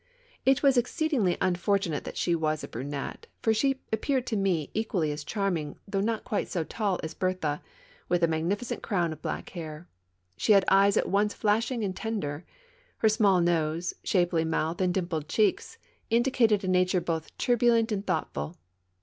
It was exceedingly unfortunate that she was a brunette, for she appeared to me equally as charming, though not quite so tall as Berthe, with a magnificent crown of black hair. She had eyes at once flashing and tender. Her small nose, shapely mouth and dimpled cheeks indicated a nature both turbulent and thoughtful.